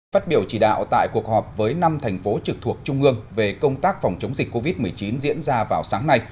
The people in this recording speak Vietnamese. phát biểu chỉ đạo tại cuộc họp với năm thành phố trực thuộc trung ương về công tác phòng chống dịch covid một mươi chín diễn ra vào sáng nay